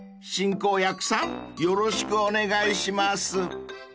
［進行役さんよろしくお願いします］